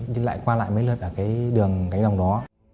đến lại qua lại mấy lần ở cái đường gánh đồng đó